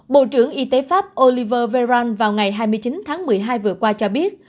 bộ trưởng y tế pháp oliver veran vào ngày hai mươi chín tháng một mươi hai vừa qua cho biết